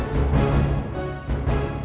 masih ada yang nunggu